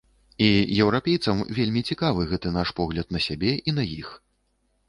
І еўрапейцам вельмі цікавы гэты наш погляд на сябе і на іх.